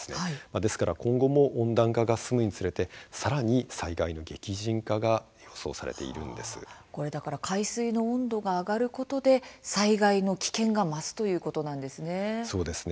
ですから今後も温暖化が進むにつれてさらに災害の激甚化が海水の温度が上がることで災害の危険が増すということなんですね。